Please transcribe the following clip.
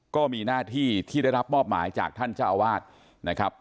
ก็มีหน้าที่ที่ได้รับมอบหมายจากท่านเจ้าอาวาสนะครับ